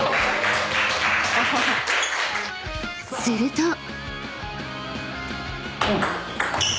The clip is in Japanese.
［すると］